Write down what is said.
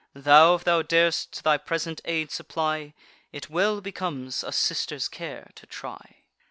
Thou, if thou dar'st thy present aid supply; It well becomes a sister's care to try."